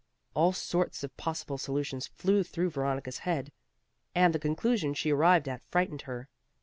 All sorts of possible solutions flew through Veronica's head, and the conclusion she arrived at frightened her.